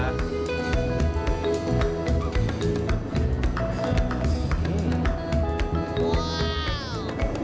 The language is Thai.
เอามาปากันนะ